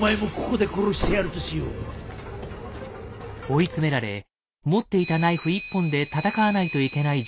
追い詰められ持っていたナイフ１本で戦わないといけない状況に。